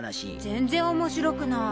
全然面白くない。